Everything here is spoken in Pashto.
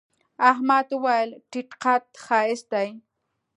احمد وويل: تيت قد ښایست دی.